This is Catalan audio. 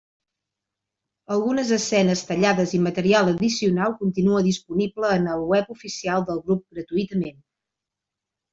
Algunes escenes tallades i material addicional continua disponible en el web oficial del grup gratuïtament.